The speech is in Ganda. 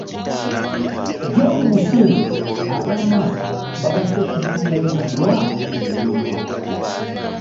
John Musinguzi agamba nti babadde bazitoowereddwa emirimu